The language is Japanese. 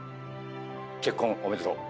結婚おめでとう。